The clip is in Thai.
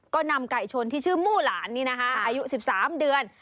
ก็นำไก่ชนที่ชื่อมู่หลานนี่นะคะอายุ๑๓เดือน